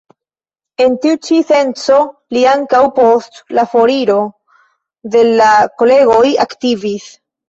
En tiu ĉi senco li ankaŭ post la foriro de la kolegoj aktivis.